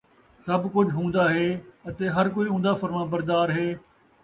سب کُجھ ہُوندا ہے اَتے ہر کوئی اُوندا فرمانبردار ہے ۔